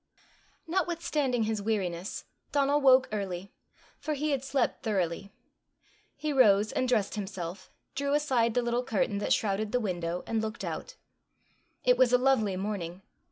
Notwithstanding his weariness, Donal woke early, for he had slept thoroughly. He rose and dressed himself, drew aside the little curtain that shrouded the window, and looked out. It was a lovely morning.